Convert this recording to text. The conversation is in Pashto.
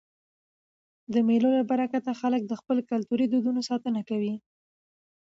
د مېلو له برکته خلک د خپلو کلتوري دودونو ساتنه کوي.